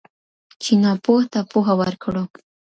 چې ناپوه ته پوهه ورکړو.